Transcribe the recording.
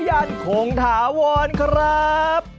หยั่นของถาวรครับ